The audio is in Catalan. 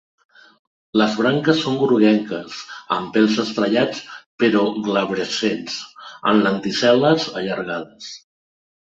Les branques són groguenques amb pèls estrellats però glabrescents, amb lenticel·les allargades.